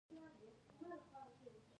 دې اسانتياوو ژوند ته خورا ډېر خوند وربښلی دی.